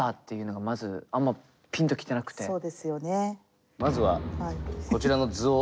そうですよね。